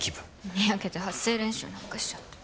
にやけて発声練習なんかしちゃって。